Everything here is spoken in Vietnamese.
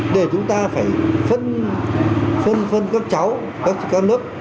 để chúng ta phải phân các cháu các lớp